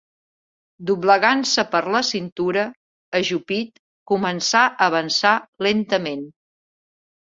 Doblegant-se per la cintura, ajupit, començà a avançar lentament